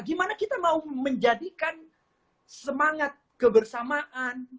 gimana kita mau menjadikan semangat kebersamaan